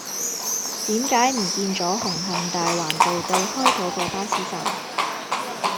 點解唔見左紅磡大環道對開嗰個巴士站